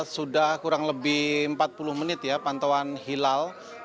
sudah kurang lebih empat puluh menit ya pantauan hilal